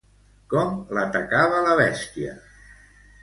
Com l'atacava la bèstia?